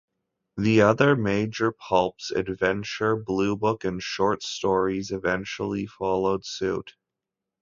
The other major pulps "Adventure", "Blue Book" and "Short Stories" eventually followed suit.